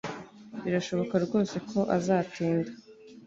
Birashoboka rwose ko azatinda